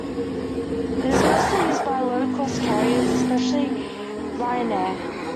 It is mostly used by low-cost carriers, especially Ryanair.